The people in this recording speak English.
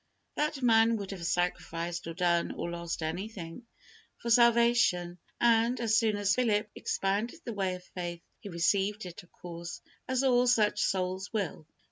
That man would have sacrificed, or done, or lost anything, for salvation, and, as soon as Philip expounded the way of faith, he received it, of course, as all such souls will.